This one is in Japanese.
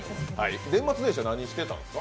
年末年始は何してたんですか？